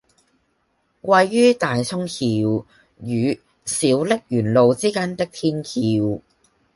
位於大涌橋與小瀝源路之間的天橋